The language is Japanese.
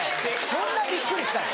そんなびっくりした？